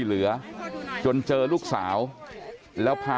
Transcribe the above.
เพื่อนบ้านเจ้าหน้าที่อำรวจกู้ภัย